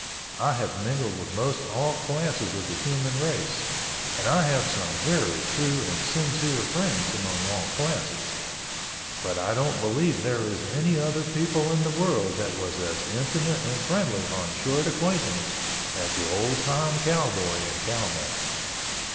I have mingled with most all classes of the human race and I have some very true and sincere friends among all classes—but I don't believe there is any other people in the world that was as intimate and friendly on short acquaintance as the old time cowboy and cowman.